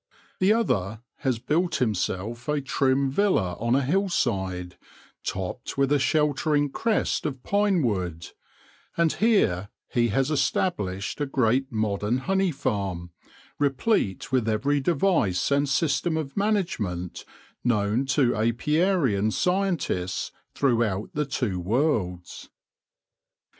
The other has built himself a trim villa on a hillside, topped with a sheltering crest of pine wood ; and here he has established a great modern honey farm, replete with every device and system of management known to apiarian scientists throughout the two worlds.